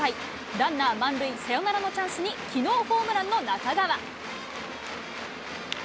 ランナー満塁、サヨナラのチャンスに、きのうホームランの中川。